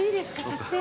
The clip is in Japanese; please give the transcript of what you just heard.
撮影。